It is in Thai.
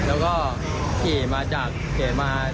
แล้วก็ขี่มาจากเก๋มา